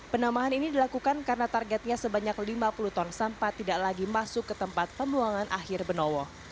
penambahan ini dilakukan karena targetnya sebanyak lima puluh ton sampah tidak lagi masuk ke tempat pembuangan akhir benowo